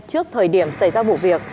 trước thời điểm xảy ra bộ việc